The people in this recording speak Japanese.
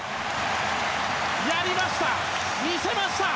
やりました、見せました